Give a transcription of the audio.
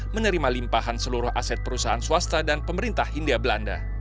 menerima limpahan seluruh aset perusahaan swasta dan pemerintah hindia belanda